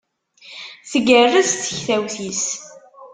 Tgerrez tektawt-is.